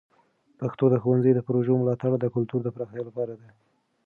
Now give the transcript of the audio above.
پښتو د ښونځي د پروژو ملاتړ د کلتور د پراختیا لپاره ده.